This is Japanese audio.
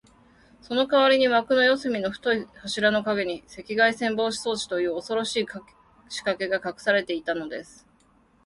そのかわりに、わくの四すみの太い柱のかげに、赤外線防備装置という、おそろしいしかけがかくされていたのです。